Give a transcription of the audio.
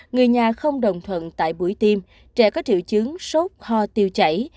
người nhà không đồng thuận tại buổi tiêm trẻ có triệu chứng sốt ho tiêu chảy